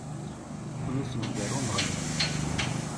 Ad ten-issenger Umeɣlal.